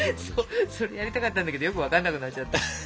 それやりたかったんだけどよく分かんなくなっちゃった。